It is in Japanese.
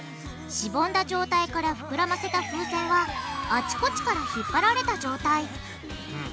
しぼんだ状態からふくらませた風船はあちこちから引っ張られた状態。